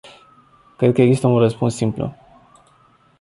Cred că nu există un răspuns simplu.